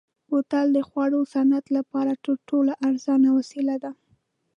بوتل د خوړو صنعت لپاره تر ټولو ارزانه وسیله ده.